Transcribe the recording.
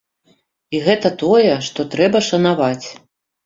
І гэта тое, што трэба шанаваць.